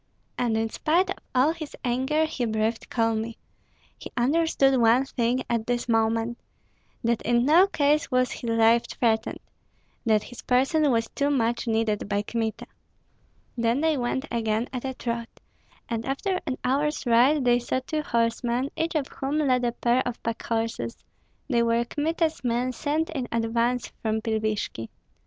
And in spite of all his anger he breathed calmly; he understood one thing at this moment, that in no case was his life threatened, that his person was too much needed by Kmita. Then they went again at a trot, and after an hour's ride they saw two horsemen, each of whom led a pair of packhorses. They were Kmita's men sent in advance from Pilvishki.